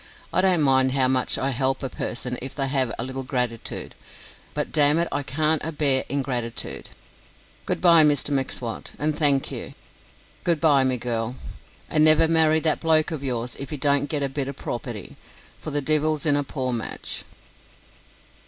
I don't mind how much I help a person if they have a little gratitood, but, damn it, I can't abear ingratitood." "Good bye, Mr M'Swat, and thank you." "Good bye, me gu r r r l, and never marry that bloke of yours if he don't git a bit er prawperty, for the divil's in a poor match."